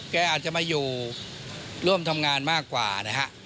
อาจจะมาอยู่ร่วมทำงานมากกว่านะฮะ